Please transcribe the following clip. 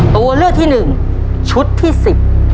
ตัวเลือกที่หนึ่งชุดที่สิบ